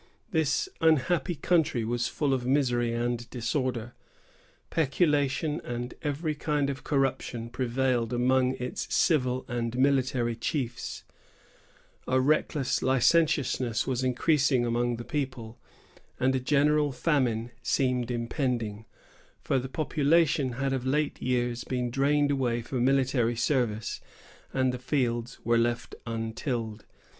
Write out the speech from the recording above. This unhappy country was full of misery and disorder. Peculation and every kind of corruption prevailed among its civil and military chiefs, a reckless licentiousness was increasing among the people, and a general famine seemed impending, for the population had of late years been drained away for military service, and the fields were left untilled.